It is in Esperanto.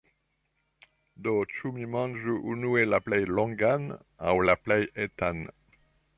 Do, ĉu mi manĝu unue la plej longan, aŭ la plej etan?